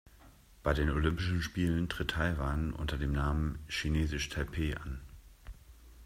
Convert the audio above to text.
Bei den Olympischen Spielen tritt Taiwan unter dem Namen „Chinesisch Taipeh“ an.